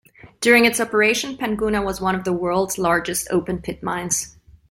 During its operation Panguna was one of the world's largest open-pit mines.